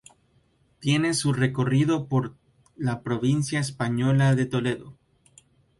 Tiene su recorrido por la provincia española de Toledo.